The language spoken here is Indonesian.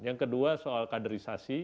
yang kedua soal kaderisasi